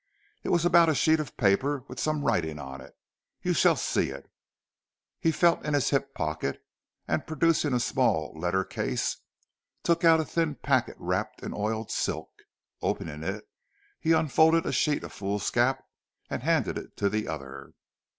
"It was about a sheet of paper with some writing on it. You shall see it." He felt in his hip pocket, and producing a small letter case, took out a thin packet wrapped in oiled silk. Opening it, he unfolded a sheet of foolscap and handed it to the other.